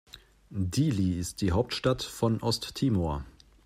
Dili ist die Hauptstadt von Osttimor.